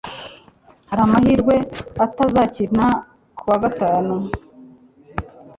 Hari amahirwe atazakina kuwa gatanu.